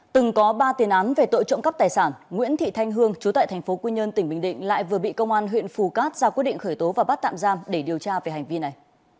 từng có ba tiền án về tội trộm cắp tài sản nguyễn thị thanh hương chú tại thành phố quy nhơn tỉnh bình định lại vừa bị công an huyện phù cát ra quyết định khởi tố và bắt tạm giam để điều tra về hành vi này